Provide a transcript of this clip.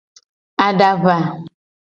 Adava.